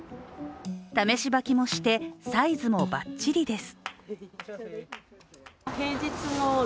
試し履きもして、サイズもばっちりです。